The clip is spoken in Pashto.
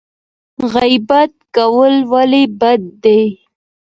غیبت کول ولې بد دي؟